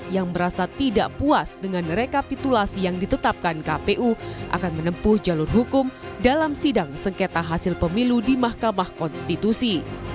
yang merasa tidak puas dengan rekapitulasi yang ditetapkan kpu akan menempuh jalur hukum dalam sidang sengketa hasil pemilu di mahkamah konstitusi